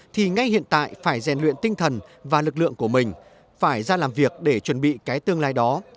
thì ngay hiện tại phải rèn luyện tinh thần và lực lượng của mình phải ra làm việc để chuẩn bị cái tương lai đó